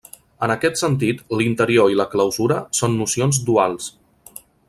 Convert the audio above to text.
En aquest sentit, l'interior i la clausura són nocions duals.